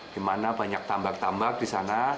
dimana banyak tambak tambak di sana